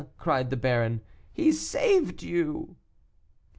cried the baron, "he saved you."